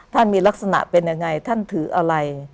มีลักษณะเป็นยังไงท่านถืออะไร